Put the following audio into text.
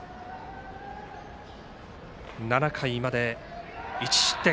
７回まで１失点。